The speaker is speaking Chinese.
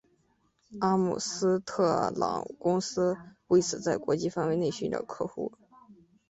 阿姆斯特朗公司为此在国际范围内寻找客户。